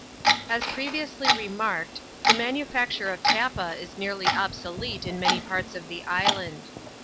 As previously remarked, the manufacture of tappa is nearly obsolete in many parts of the island.